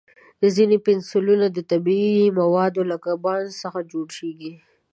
ځینې پنسلونه د طبیعي موادو لکه بانس څخه جوړېږي.